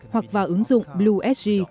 hoặc vào ứng dụng bluesg